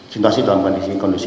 situasi dalam kondisi kondisi